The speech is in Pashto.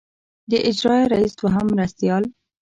د اجرائیه رییس دوهم مرستیال.